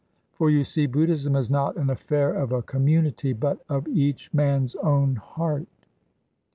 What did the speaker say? For, you see, Buddhism is not an affair of a community, but of each man's own heart.